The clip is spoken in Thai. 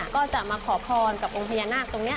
ก็จะมาขอพรกับองค์พญานาคตรงนี้